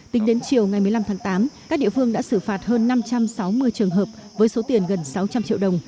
tính đến chiều ngày một mươi năm tháng tám các địa phương đã xử phạt hơn năm trăm sáu mươi trường hợp với số tiền gần sáu trăm linh triệu đồng